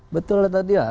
betul tadi ya